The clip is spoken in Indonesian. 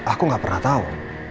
aku gak pernah tau